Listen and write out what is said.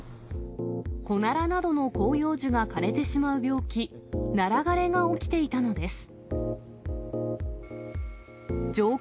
コナラなどの広葉樹が枯れてしまう病気、ナラ枯れが起きていたのです。